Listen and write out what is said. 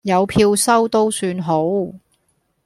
有票收都算好